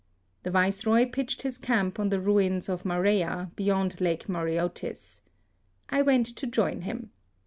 The Viceroy pitched his camp on the ruins of Marea, beyond Lake Mareotis. I went to join him.